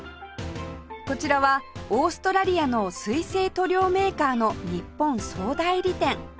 こちらはオーストラリアの水性塗料メーカーの日本総代理店